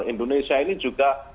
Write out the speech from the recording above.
indonesia ini juga